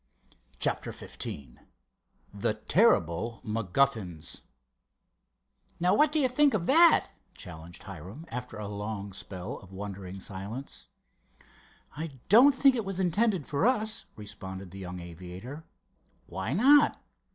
CHAPTER XV "THE TERRIBLE MACGUFFINS" "Now what do you think of that?" challenged Hiram, after a long spell of wondering silence. "I don't think it was intended for us," responded the young aviator. "Why not?"